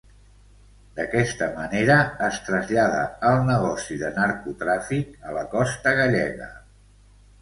D'aquesta manera, es trasllada el negoci de narcotràfic a la costa gallega.